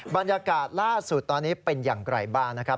บรรยากาศล่าสุดตอนนี้เป็นอย่างไรบ้างนะครับ